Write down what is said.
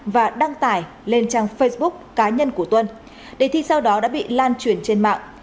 và đăng tải lên trang facebook cá nhân của tuân đề thi sau đó đã bị lan truyền trên mạng